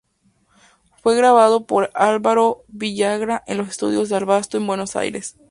Fue grabado por Alvaro Villagra en los estudios del Abasto en Buenos Aires.